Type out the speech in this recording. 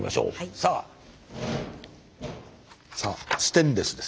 さあステンレスです。